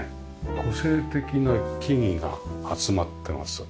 個性的な木々が集まってます。